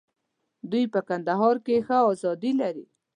دوی په کندهار کې ښه آزادي لري.